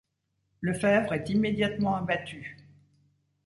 Lefèbvre est immédiatement abattu.